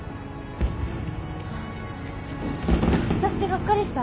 わたしでがっかりした？